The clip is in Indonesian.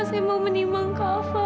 saya mau menimang kava